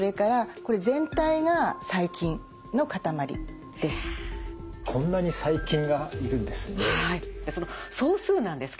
こんなに細菌がいるんですね。